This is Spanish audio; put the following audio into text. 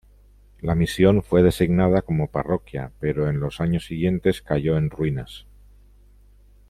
La misión fue designada como parroquia, pero en los años siguientes cayó en ruinas.